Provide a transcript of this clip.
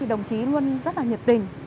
đồng chí luôn rất là nhiệt tình